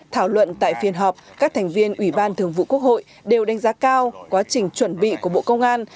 thảo luận tại phiên họp các thành viên ủy ban thường vụ quốc hội đều đánh giá cao quá trình chuẩn bị của bộ công an